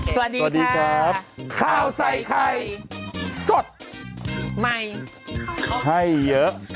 สวัสดีครับข้าวใส่ไข่สดใหม่ให้เยอะ